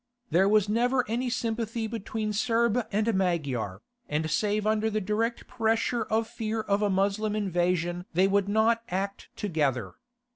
There was never any sympathy between Serb and Magyar, and save under the direct pressure of fear of a Moslem invasion they would not act together.